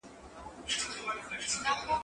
زه به سیر کړی وي؟